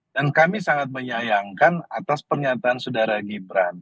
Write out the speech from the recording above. dan kami sangat menyayangkan atas pernyataan saudara gibran